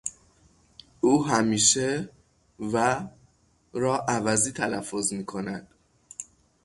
او همیشه th و w را عوضی تلفظ میکند.